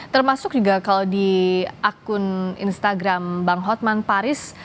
termasuk juga kalau di akun instagram bang hotman paris